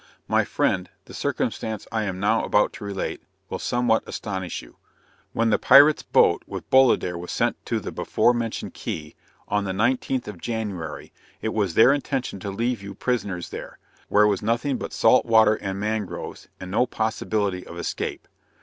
My friend, the circumstance I am now about to relate, will somewhat astonish you. When the pirate's boat with Bolidar was sent to the before mentioned Key, on the 19th of January, it was their intention to leave you prisoners there, where was nothing but salt water and mangroves, and no possibility of escape.